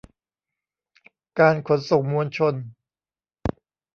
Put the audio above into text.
การขนส่งมวลชน